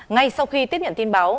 ngay sau khi tiếp nhận tin báo